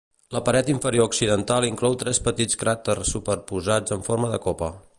La paret interior occidental inclou tres petits cràters superposats en forma de copa.